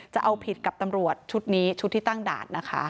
จะเอาผิดกับตำรวจชุดนี้ชุดที่ตั้งด่านนะคะ